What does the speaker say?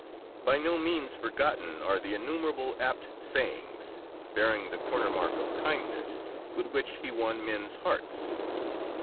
By no means forgotten are the innumerable apt sayings, bearing the corner mark of kindness, with which he won men's hearts.